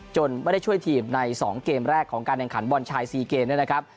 ไม่ได้ช่วยทีมใน๒เกมแรกของการแข่งขันบอลชาย๔เกมด้วยนะครับ